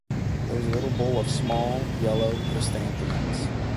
There was a little bowl of small, yellow chrysanthemums.